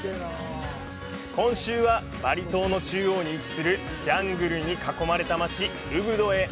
今週は、バリ島の中央に位置するジャングルに囲まれた街、ウブドへ。